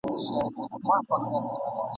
پرېږده چي دا سره لمبه په خوله لري!.